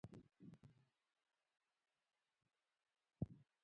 د تبادلې بدلیدونکی نرخ یو ډول دی.